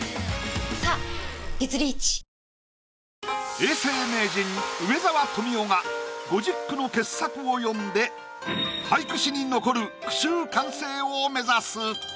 永世名人梅沢富美男が５０句の傑作を詠んで俳句史に残る句集完成を目指す。